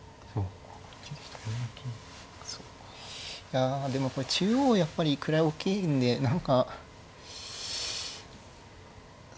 いやでもこれ中央やっぱり位大きいんで何かそんなに。